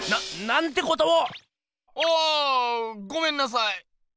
ごめんなさい。